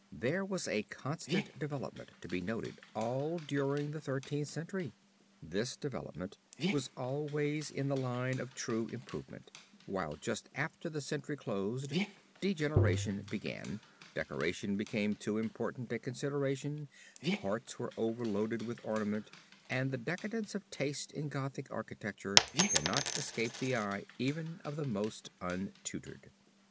There was a constant development to be noted all during the Thirteenth Century. This development was always in the line of true improvement, while just after the century closed degeneration began, decoration became too important a consideration, parts were over loaded with ornament, and the decadence of taste in Gothic architecture cannot escape the eye even of the most untutored.